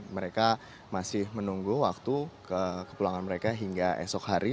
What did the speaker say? mereka masih menunggu waktu kepulangan mereka hingga esok hari